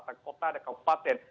tangkota ada kabupaten